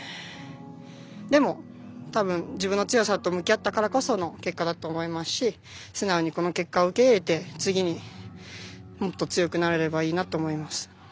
でも、多分自分の強さと向き合ったからこその結果だと思いますし素直に、この結果を受け入れて次にもっと強くなれればいいなと思います。